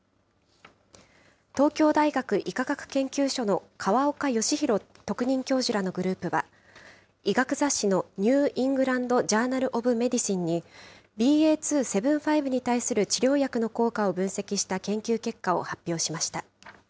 東京大学医科学研究所の河岡義裕特任教授らのグループは、医学雑誌のニューイングランド・ジャーナル・オブ・メディシンにＢＡ．２．７５に対する治療薬の効果を分析した研究結果を発表しました。